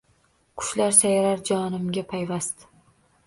Qushlar sayrar jonimga payvast